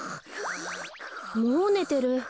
もうねてる。